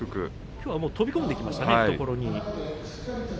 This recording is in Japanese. きょうは懐に飛び込んでいきましたね。